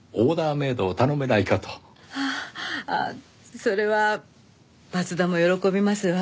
それは松田も喜びますわ。